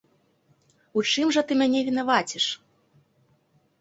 У чым жа ты мяне вінаваціш?